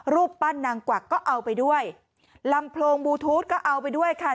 รูปปั้นนางกวักก็เอาไปด้วยลำโพงบลูทูธก็เอาไปด้วยค่ะ